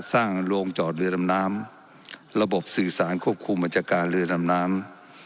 โรงจอดเรือดำน้ำระบบสื่อสารควบคุมบัญชาการเรือดำน้ำ